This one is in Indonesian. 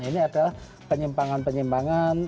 ini ada penyimpangan penyimpangan